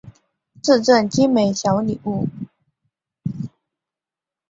致赠精美小礼物